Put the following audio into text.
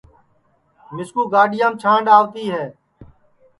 مِسکُو گاڈِِؔؔیام چھانڈؔ آوتی ہے